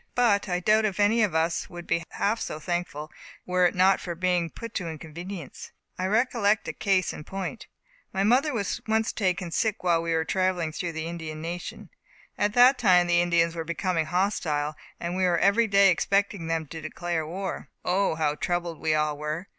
But I doubt if any of us would be half so thankful, were it not for being put to inconvenience. I recollect a case in point. My mother was once taken sick while we were travelling through the Indian nation. At that time the Indians were becoming hostile, and we were every day expecting them to declare war. O, how troubled we all were!